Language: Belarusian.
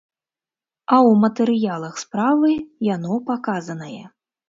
А ў матэрыялах справы яно паказанае.